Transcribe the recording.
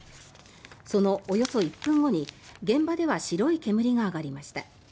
そのおよそ１分後に現場では白い煙が上がりました。